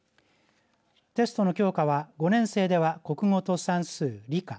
テストの教科は５年生では国語と算数、理科。